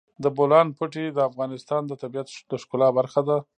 د بولان پټي د افغانستان د طبیعت د ښکلا برخه ده.